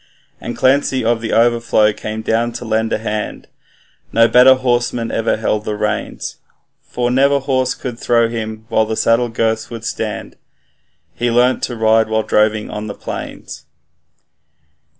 And Clancy of the Overflow came down to lend a hand, No better horseman ever held the reins; For never horse could throw him while the saddle girths would stand, He learnt to ride while droving on the plains.